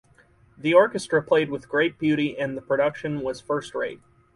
The orchestra played with "great beauty" and the production was first rate.